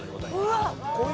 「うわっ！」